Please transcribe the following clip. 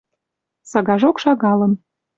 Сагажок шагалын